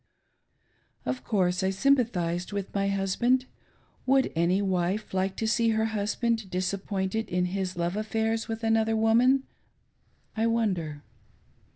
Of course I sympathised with my husband. — Would any wife like to see her husband disappointed in his love affairs with another woman, I wonder